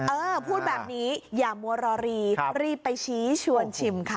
เออพูดแบบนี้อย่ามัวรอรีรีบไปชี้ชวนชิมค่ะ